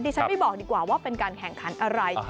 ฉันไม่บอกดีกว่าว่าเป็นการแข่งขันอะไร